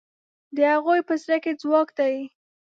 د هغوی په زړه کې ځواک دی.